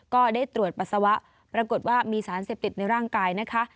ก็ได้ตรวจปัสสาวะปรากฏว่ามีสารเสพติดในร่างกายนะคะ